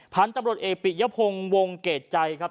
ผันตำรวจเอปิยะพงวงเกตใจครับ